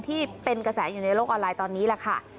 ที่เป็นกระแสอยู่ในโลกออนไลน์ตอนนี้แหละค่ะ